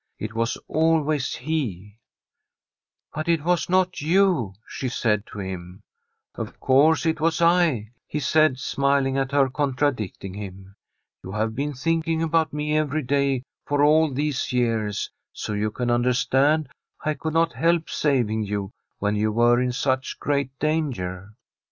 It was always he. * But it was not you,' she said to him. The STORY of a COUNTRY HOUSE ' Of course it was 1/ he said, smiling at her contradicting him. * You have been thinking about me every day for all these years ; so you can understand I could not help saving you when you were in such great danger.